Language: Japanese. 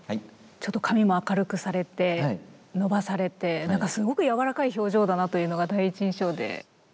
ちょっと髪も明るくされて伸ばされてなんかすごく柔らかい表情だなというのが第一印象で。